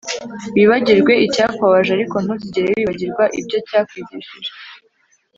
wibagirwe icyakubabaje ariko ntuzigere wibagirwa ibyo byakwigishije